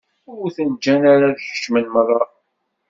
Ur ten-ǧǧan ara ad kecmen merra.